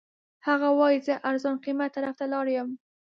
هغه وایي زه ارزان قیمت طرف ته لاړ یم.